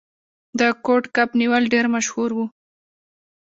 د کوډ کب نیول ډیر مشهور و.